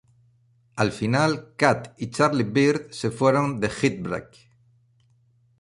Al final Kat y Charlie Byrd se fueron de Heartbreak.